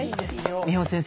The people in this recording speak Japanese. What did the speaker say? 美穂先生